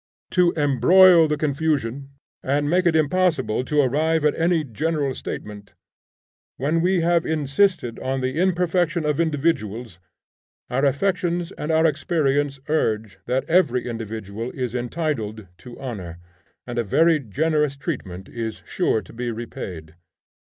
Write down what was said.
To embroil the confusion, and make it impossible to arrive at any general statement, when we have insisted on the imperfection of individuals, our affections and our experience urge that every individual is entitled to honor, and a very generous treatment is sure to be repaid.